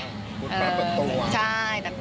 ปล่อยจ่อย